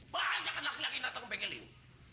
banyak kan laki laki yang datang ke bengkel ini